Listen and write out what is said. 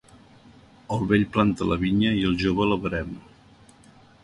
El vell planta la vinya i el jove la verema.